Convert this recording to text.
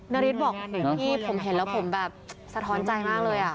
ณฤทธิ์บอกผมเห็นแล้วผมแบบสะท้อนใจมากเลย